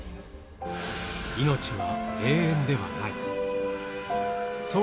命は永遠ではない。